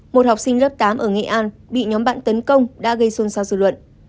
một học sinh lớp tám ở nghệ an bị nhóm bạn tấn công đã gây xôn xao dư luận